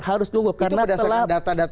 harus gugur karena telah